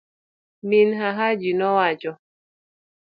min hajinowacho